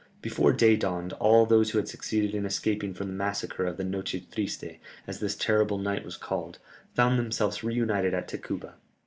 Before day dawned all those who had succeeded in escaping from the massacre of the noche triste, as this terrible night was called, found themselves reunited at Tacuba.